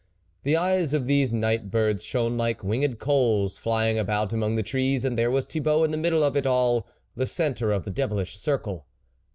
The eyes of these night birds shone like wing ed coals flying about among the trees, and there was Thibault in the middle of it all, the centre of the devilish circle.